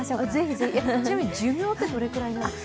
ちなみに寿命ってどれくらいなんですか？